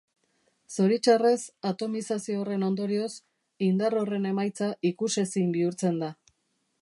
Zoritxarrez, atomizazio horren ondorioz, indar horren emaitza ikusezin bihurtzen da.